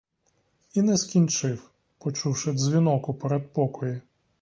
І не скінчив, почувши дзвінок у передпокої.